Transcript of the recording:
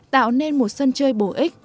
tạo nên một sân chơi bổ ích